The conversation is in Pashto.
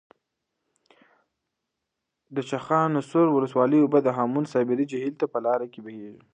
د چخانسور ولسوالۍ اوبه د هامون صابري جهیل ته په لاره کې بهیږي.